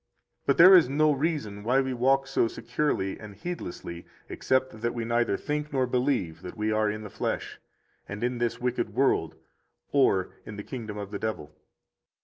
But there is no reason why we walk so securely and heedlessly, except that we neither think nor believe that we are in the flesh, and in this wicked world or in the kingdom of the devil.